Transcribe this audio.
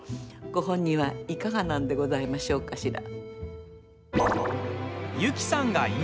ご本人はいかがなんでございましょうかしら？